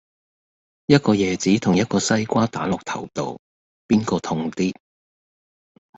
一個椰子同一個西瓜打落頭度,邊個痛啲